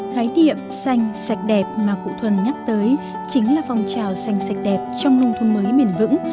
thái điểm xanh sạch đẹp mà cụ thuần nhắc tới chính là phòng trào xanh sạch đẹp trong nông thôn mới miền vững